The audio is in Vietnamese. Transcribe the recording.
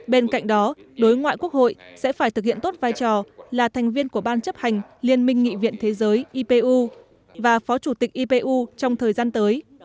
bên cạnh đó đối ngoại quốc hội sẽ phải thực hiện tốt vai trò là thành viên của ban chấp hành liên minh nghị viện thế giới ipu và phó chủ tịch ipu trong thời gian tới